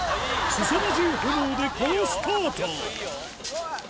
すさまじい炎で好スタート